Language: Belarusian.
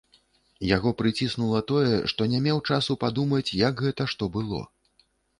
Яго прыціснула тое, што не меў часу падумаць, як гэта што было.